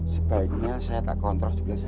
sebaiknya saya tak kontrol sebelah sana